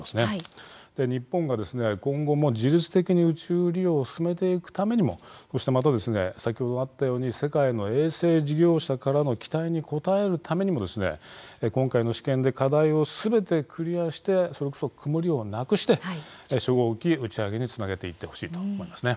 日本が、今後も自律的に宇宙利用を進めていくためにもそしてまた、先ほどあったように世界の衛星事業者からの期待に応えるためにも今回の試験で課題をすべてクリアしてそれこそ曇りをなくして初号機打ち上げにつなげていってほしいと思います。